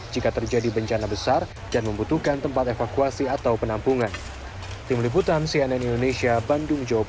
jika terjadi bencana besar dan membutuhkan tempat evakuasi atau penampungan